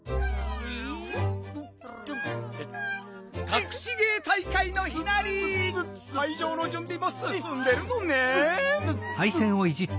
かくし芸大会の日なり！かいじょうのじゅんびもすすんでるのねん。